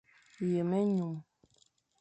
Yem-enyum.